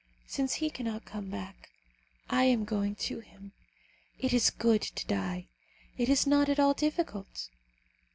Since he cannot come back, I am going to him. It is good to die. It is not at all difficult.